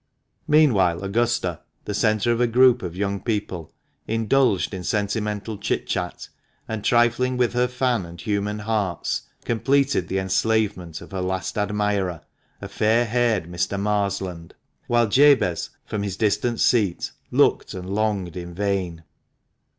Meanwhile Augusta, the centre of a group of young people, indulged in sentimental chit chat, and, trifling with her fan and human hearts, completed the enslavement of her last admirer, a fair haired Mr. Marsland ; while Jabez, from his distant seat, looked and longed in vain.